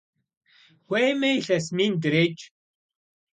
Хуеймэ илъэс мин дрекӀ!